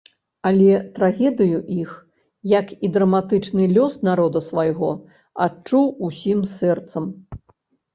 Але трагедыю іх, як і драматычны лёс народа свайго, адчуў усім сэрцам.